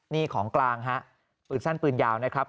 นี่ของกลางฮะปืนสั้นปืนยาวนะครับ